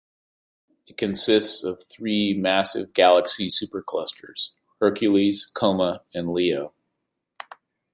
It consists of three massive galaxy superclusters: Hercules, Coma and Leo.